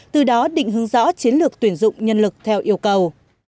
từ đó định hướng rõ chiến lược tuyển dụng nhân lực theo yêu cầu